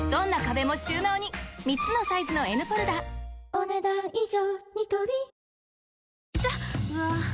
お、ねだん以上。